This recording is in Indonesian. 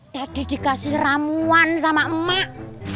dikasih ramuan sama emak